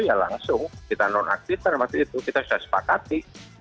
ya langsung kita non aktifter waktu itu kita sudah sepakati